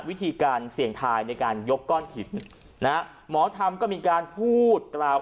วิธีการเสี่ยงทายในการยกก้อนหินนะฮะหมอธรรมก็มีการพูดกล่าว